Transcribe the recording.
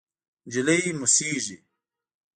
نجلۍ موسېږي…